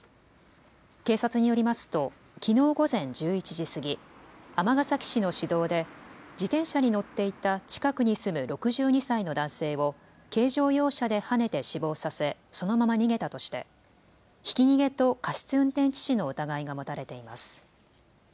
警察によりますときのう午前１１時過ぎ尼崎市の市道で自転車に乗っていた近くに住む６２歳の男性を軽乗用車ではねて死亡させ、そのまま逃げたとしてひき逃げと過失運転致死の疑いが持たれています。